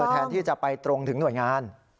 แทนที่จะไปตรงถึงหน่วยงาน